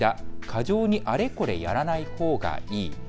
過剰にあれこれやらないほうがいい。